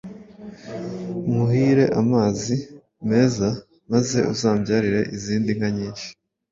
nkuhire amazi meza, maze uzambyarire izindi nka nyinshi!